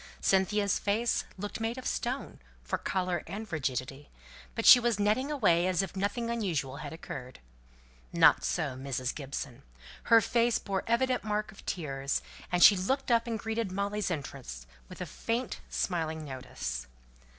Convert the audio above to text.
Cynthia's face looked made of stone, for colour and rigidity; but she was netting away as if nothing unusual had occurred. Not so Mrs. Gibson; her face bore evident marks of tears, and she looked up and greeted Molly's entrance with a faint smiling notice.